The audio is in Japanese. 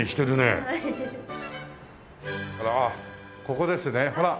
ここですねほら。